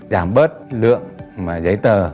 giảm bớt lượng giấy tờ